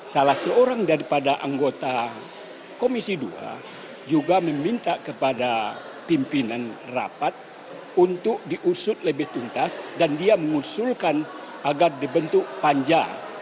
salah seorang daripada anggota komisi dua juga meminta kepada pimpinan rapat untuk diusut lebih tuntas dan dia mengusulkan agar dibentuk panja